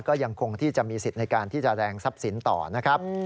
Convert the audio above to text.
ก็ยังคงที่จะมีสิทธิ์ในการที่จะแรงทรัพย์สินต่อนะครับ